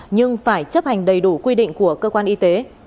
nhưng phải chấp hành đầy đủ quy định của cơ quan y tế